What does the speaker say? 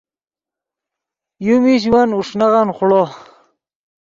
یو میش ون اوݰک نغن خوڑو